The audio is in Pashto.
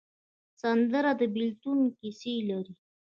سندره د بېلتون کیسې لري